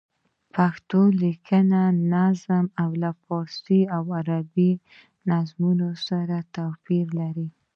پښتو لیکلی نظم له فارسي او عربي نظمونو سره توپیر نه لري.